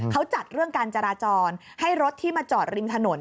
เขาจัดเรื่องการจราจรให้รถที่มาจอดริมถนน